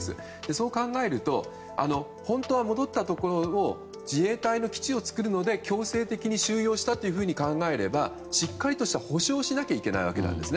そう考えると本当は戻ったところを自衛隊の基地を作るので強制的に収容したと考えれば、しっかりとした保証をしなければいけないわけです。